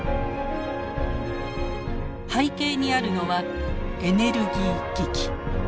背景にあるのはエネルギー危機。